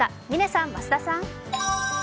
嶺さん、増田さん！